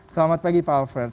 selamat pagi pak alfred